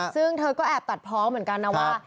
ซึ่งเธอก็แอบตัดพ้องเหมือนกันนะว่า